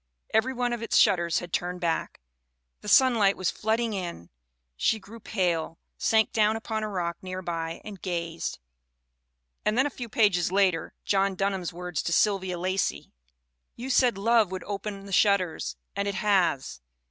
Every one of its shutters had turned back. The sunlight was flooding in. She grew pale, sank down upon a rock near by, and gazed." And then a few pages later John Dunham's words to Sylvia Lacey :" 'You said Love would open the shutters, and it has.'